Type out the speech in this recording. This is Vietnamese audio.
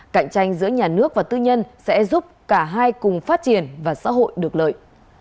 cạnh tranh giữa nhà nước và tư nhân sẽ giúp cả hai cùng phát triển và xã hội được lợi